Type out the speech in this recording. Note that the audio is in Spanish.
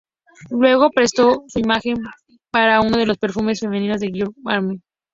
Luego, prestó su imagen para uno de los perfumes femeninos de Giorgio Armani.